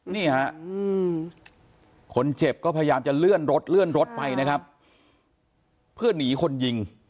นี่ฮะคนเจ็บก็พยายามจะเลื่อนรถเลื่อนรถไปนะครับเพื่อหนีคนยิง